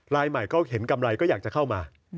ลายใหม่ก็เห็นกำไรก็อยากจะเข้ามา